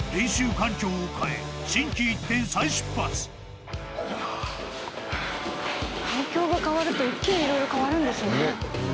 「環境が変わると一気に色々変わるんですね」